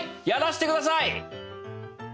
やらして下さい！